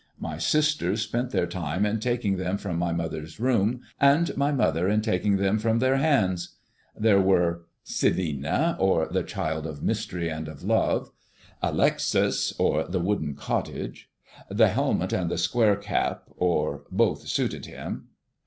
My sisters spent their time in taking them from my mother's room, and my mother in taking them from their hands. There were, "Celina, or, The Child of Mystery and of Love;" "Alexis, or, The Wooden Cottage;" "The Helmet and the Square Cap, or, Both suited him."